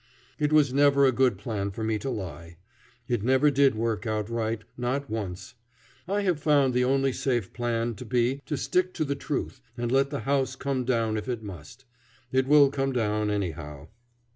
It was never a good plan for me to lie. It never did work out right, not once. I have found the only safe plan to be to stick to the truth and let the house come down if it must. It will come down anyhow.